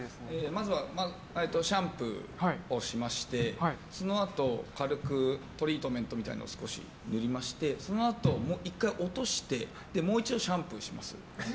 まずはシャンプーをしましてそのあと軽くトリートメントみたいなのを少し塗りましてそのあと１回落としてもう一度シャンプーをします。